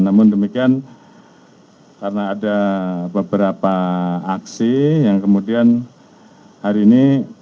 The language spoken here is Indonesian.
namun demikian karena ada beberapa aksi yang kemudian hari ini